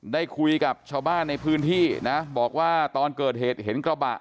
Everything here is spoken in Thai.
ได้คุยกับชาวบ้านในพื้นที่นะบอกว่าตอนเกิดเหตุเห็นกระบะ